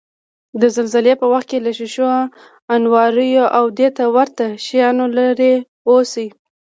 د زلزلې په وخت کې له شیشو، انواریو، او دېته ورته شیانو لرې اوسئ.